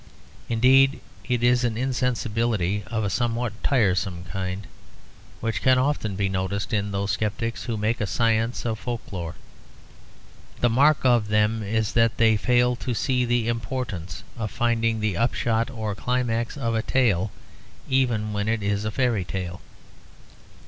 Indeed it is an insensibility of a somewhat tiresome kind, which can often be noticed in those sceptics who make a science of folk lore. The mark of them is that they fail to see the importance of finding the upshot or climax of a tale, even when it is a fairy tale.